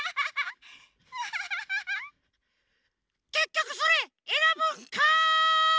けっきょくそれえらぶんかい！